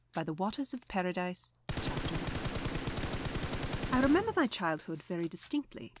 BY THE WATERS OF PARADISE I remember my childhood very distinctly.